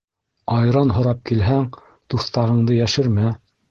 Айран һорап килһәң, туҫтағыңды йәшермә.